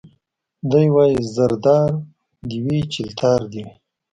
دی وايي زردار دي وي چلتار دي وي